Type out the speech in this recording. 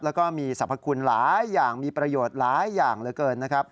แล้วก็มีสรรพคุณหลายอย่างมีประโยชน์หลายอย่างเหลือเกินนะครับ